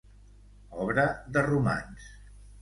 Obra de romans.